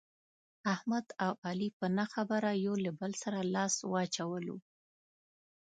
احمد او علي په نه خبره یو له بل سره لاس واچولو.